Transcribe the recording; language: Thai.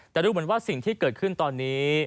แต่ดูเหมือนว่าสิ่งที่เกิดขึ้นตอนนี้